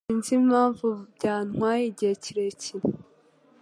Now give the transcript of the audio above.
Sinzi impamvu byantwaye igihe kirekire.